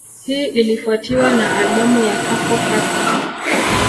Hii ilifuatiwa na albamu ya Kafou Kafou